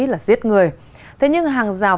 là giết người thế nhưng hàng rào